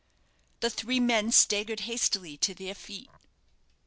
The three men staggered hastily to their feet.